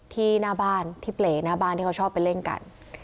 หน้าบ้านที่เปรย์หน้าบ้านที่เขาชอบไปเล่นกัน